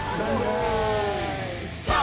さあ